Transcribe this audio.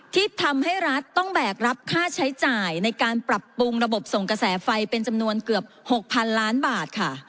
ที่ทำให้รัฐต้องแบกรับค่าใช้จ่ายในการปรับปรุงระบบส่งกระแสไฟเป็นจำนวนเกือบ๖๐๐๐ล้านบาทค่ะ